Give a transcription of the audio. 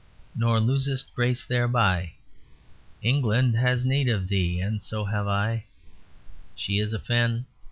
Nor losest grace thereby; England has need of thee, and so have I She is a Fen.